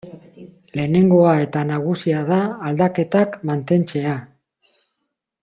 Lehenengoa eta nagusia da aldaketak mantentzea.